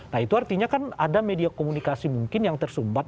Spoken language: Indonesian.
nah itu artinya kan ada media komunikasi mungkin yang tersumbat